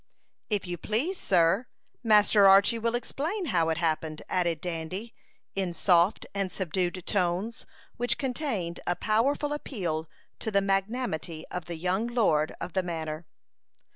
"If you please, sir, Master Archy will explain how it happened," added Dandy, in soft and subdued tones, which contained a powerful appeal to the magnanimity of the young lord of the manor.